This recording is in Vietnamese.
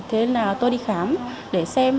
thế nên là tôi đi khám để xem